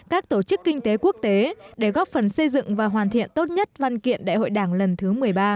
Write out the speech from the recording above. các tổ chức kinh tế quốc tế để góp phần xây dựng và hoàn thiện tốt nhất văn kiện đại hội đảng lần thứ một mươi ba